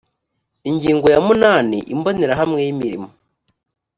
ingingo ya munani imbonerahamwe y imirimo